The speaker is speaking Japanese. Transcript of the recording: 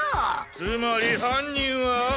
つまり犯人は。